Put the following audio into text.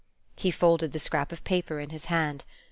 He folded the scrap of paper in his hand.